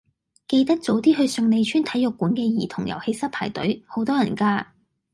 記得早啲去順利邨體育館嘅兒童遊戲室排隊，好多人㗎。